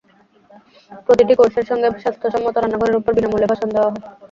প্রতিটি কোর্সের সঙ্গে স্বাস্থ্যসম্মত রান্নাঘরের ওপর বিনা মূল্যে ভাষণ দেওয়া হয়।